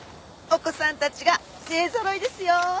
お子さんたちが勢揃いですよ。